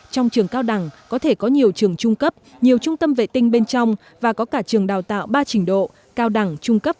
trong trường cao đẳng có thể có nhiều trường trung cấp nhiều trung tâm vệ tinh bên trong